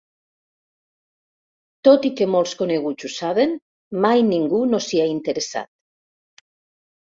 Tot i que molts coneguts ho saben, mai ningú no s'hi ha interessat.